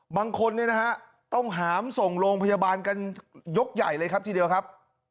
บางคนเนี่ยนะฮะต้องหามส่งโรงพยาบาลกันยกใหญ่เลยครับทีเดียวครับ